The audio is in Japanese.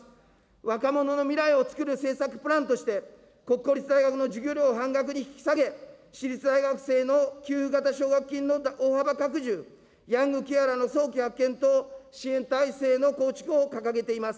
若者の未来を創る政策プランとして、国公立大学の授業料を半額に引き下げ、私立大学生の給付型奨学金の大幅拡充、ヤングケアラーの早期発見と、支援体制の構築等を掲げています。